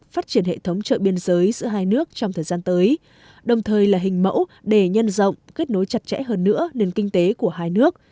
phát triển hệ thống chợ biên giới giữa hai nước trong thời gian tới đồng thời là hình mẫu để nhân rộng kết nối chặt chẽ hơn nữa nền kinh tế của hai nước